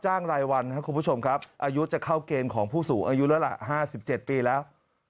ใช่ใช่คุณผู้ชมครับอายุจะเข้าเกณฑ์ของผู้สูงอายุระหรัก๕๗ปีแล้ว